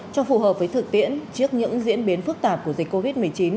cho phù hợp với thực tiễn trước những diễn biến phức tạp của dịch covid một mươi chín